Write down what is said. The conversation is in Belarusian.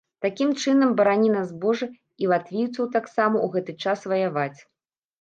Такім чынам, барані нас божа, і латвійцаў таксама, у гэты час ваяваць.